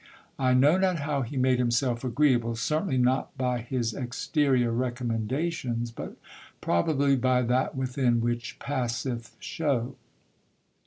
I know not how he made himself agree able ; certainly not by his exterior recommendations, but probably by that within which passeth show.